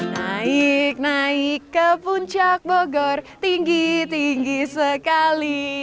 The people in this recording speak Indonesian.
naik naik ke puncak bogor tinggi tinggi sekali